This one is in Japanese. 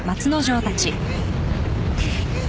くっ。